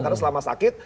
karena selama sakit